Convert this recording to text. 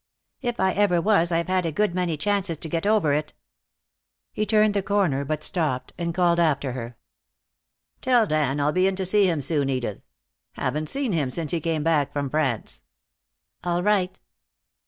"If I ever was I've had a good many chances to get over it." He turned the corner, but stopped and called after her. "Tell Dan I'll be in to see him soon, Edith. Haven't seen him since he came back from France." "All right."